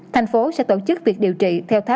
thành phố sẽ tổ chức việc điều trị